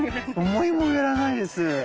思いもよらないです。